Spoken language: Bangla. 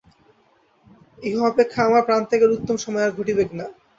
ইহা অপেক্ষা আমার প্রাণত্যাগের উত্তম সময় আর ঘটিবেক না।